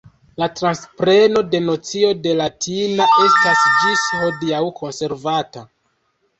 La transpreno de nocio de latina estas ĝis hodiaŭ konservata.